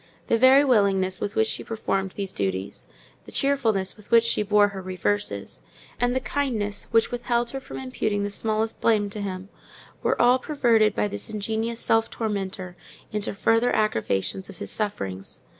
The very willingness with which she performed these duties, the cheerfulness with which she bore her reverses, and the kindness which withheld her from imputing the smallest blame to him, were all perverted by this ingenious self tormentor into further aggravations of his sufferings.